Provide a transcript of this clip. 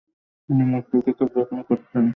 তিনি মূর্তিটিকে খুব যত্ন করতেন।